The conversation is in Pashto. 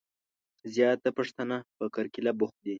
زياتره پښتنه په کرکيله بوخت دي.